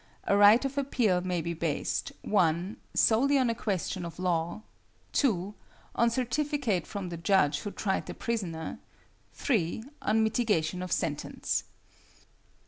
A right of appeal may be based (1) solely on a question of law; (2) on certificate from the judge who tried the prisoner; (3) on mitigation of sentence.